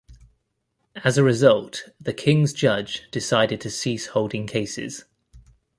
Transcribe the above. As a result, the King's judge decided to cease holding cases.